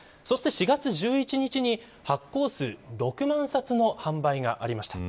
４月１１日に発行数６万冊の販売がありました。